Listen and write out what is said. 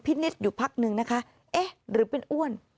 นิดอยู่พักนึงนะคะเอ๊ะหรือเป็นอ้วน